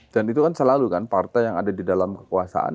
dan itu kan selalu kan partai yang ada di dalam kekuasaan